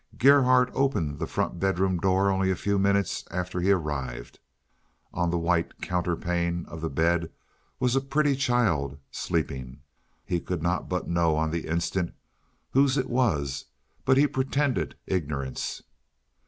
Gerhardt opened the front bedroom door only a few minutes after he arrived. On the white counterpane of the bed was a pretty child, sleeping. He could not but know on the instant whose it was, but he pretended ignorance.